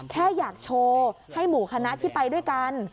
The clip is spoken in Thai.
แค่อยากโชว์ให้หมู่คณะที่ไปด้วยกัน